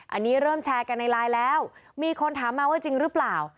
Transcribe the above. อันนี้เริ่มแชร์กันในไลน์แล้วมีคนถามมาว่าจริงหรือเปล่า